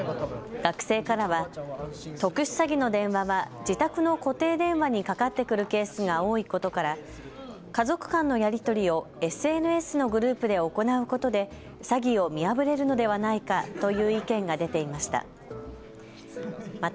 学生からは、特殊詐欺の電話は自宅の固定電話にかかってくるケースが多いことから家族間のやり取りをＳＮＳのグループで行うことで詐欺を見破れるのではないかという意見が出ていました。